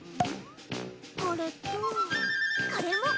これとこれも。